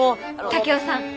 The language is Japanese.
竹雄さん。